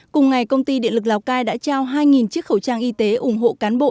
cùng ngày công ty điện lực lào cai đã trao hai chiếc khẩu trang y tế ủng hộ cán bộ